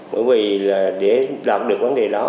bởi vì để đạt được vấn đề đó